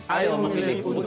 ayo memilih untuk jakarta